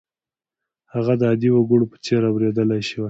هغه د عادي وګړو په څېر اورېدلای شول.